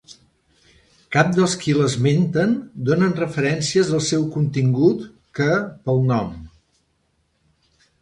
Cap dels qui l'esmenten donen referències del seu contingut que, pel nom.